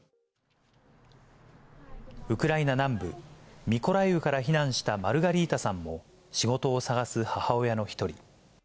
ウクライナ南部ミコライウから避難したマルガリータさんも、仕事を探す母親の一人。